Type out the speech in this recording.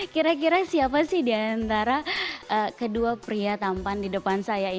kira kira siapa sih diantara kedua pria tampan di depan saya